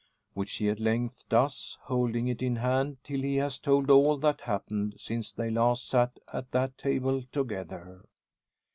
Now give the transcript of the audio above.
Which he at length does, holding it in hand, till he has told all that happened since they last sat at that table together.